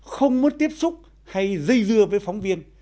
không muốn tiếp xúc hay dây dưa với phóng viên